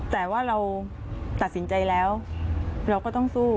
แต่ว่าเราตัดสินใจแล้วเราก็ต้องสู้